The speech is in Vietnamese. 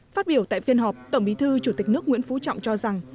phát biểu tại phiên họp tổng bí thư chủ tịch nước nguyễn phú trọng cho rằng